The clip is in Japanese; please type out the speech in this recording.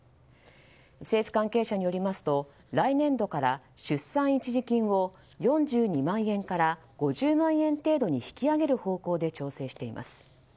政府関係者によりますと来年度から出産一時金を４２万円から５０万円程度に引き上げる方向で調整しています。